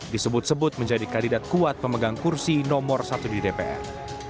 disebut sebut menjadi kandidat kuat pemegang kursi nomor satu di dpr